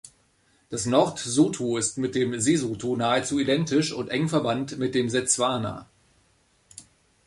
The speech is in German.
Das Nord-Sotho ist mit dem Sesotho nahezu identisch und eng verwandt mit dem Setswana.